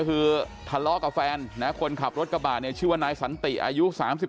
คือทะเลาะกับแฟนนะคนขับรถกระบะเนี่ยชื่อว่านายสันติอายุ๓๓